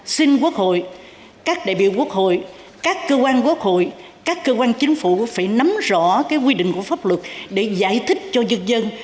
xin quốc hội các đại biểu quốc hội các cơ quan quốc hội các cơ quan chính phủ phải nắm rõ quy định của pháp luật để giải thích cho dân dân